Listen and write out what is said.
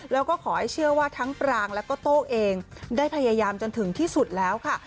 แล้วก็ขอให้เชื่อว่าทั้งปรางแล้วก็โต้เองได้พยายามจนถึงที่สุดแล้วค่ะ